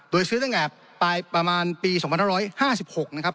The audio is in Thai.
โดยซื้อตั้งแต่ปลายประมาณปี๒๕๕๖นะครับ